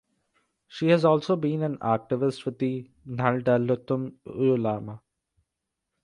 She has also been an activist with the Nahdlatul Ulama.